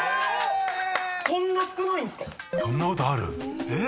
そんな少ないんすか⁉そんなことある？